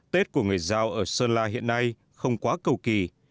tết của người giao ở sơn la hiện nay không quá cầu kỳ